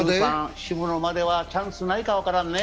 渋野まではチャンスないかも分からんね。